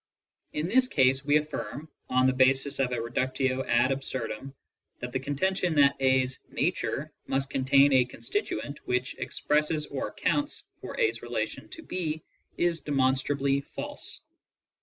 In this case, we affirm, on the basis of a reductio ad absurdum, that the contention that a's "nature" must contain a constituent which ex presses or accounts for a's relation to b, is demonstrably false.